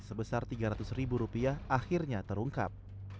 sebesar tiga ratus ribu rupiah akhirnya terungkap